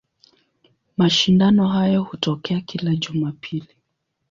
Mashindano hayo hutokea kila Jumapili.